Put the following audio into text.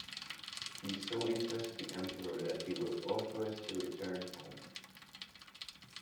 He so impressed the emperor that he was authorized to return home.